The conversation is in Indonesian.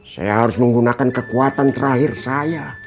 saya harus menggunakan kekuatan terakhir saya